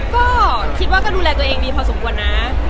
ก็คิดว่าก็ดูแลตัวเองดีพอสมควรนะ